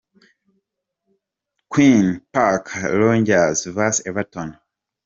Mar, Queens Park Rangers vs Everton.